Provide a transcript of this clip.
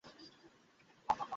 আমি দিয়ে আসতে পারতাম।